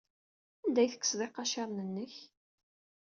Anda ay tekkseḍ iqaciren-nnek?